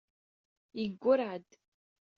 Yeggurreɛ-d.